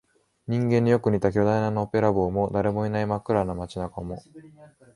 人間によく似た巨大なのっぺらぼうも、誰もいない真っ暗な街中も、